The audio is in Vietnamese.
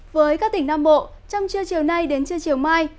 với các tỉnh nam bộ trong trưa chiều nay đến trưa chiều mai